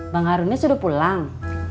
bang harunnya sudah pulang